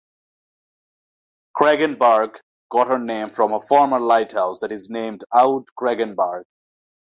Kraggenburg got her name from a former lighthouse that is named "Oud Kraggenburg".